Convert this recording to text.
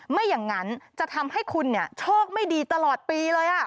ไม่อย่างนั้นจะทำให้คุณโชคไม่ดีตลอดปีเลย